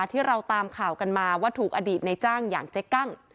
ที่เราตามข่าวกันมาว่าถูกอดีตในจ้างอย่างเจ๊กั้ง